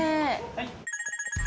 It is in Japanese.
はい。